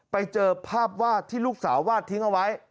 ไปเจอภาพวาดที่ลูกสาววาดทิ้งเอาไว้